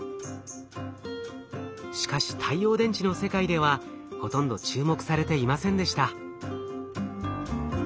しかし太陽電池の世界ではほとんど注目されていませんでした。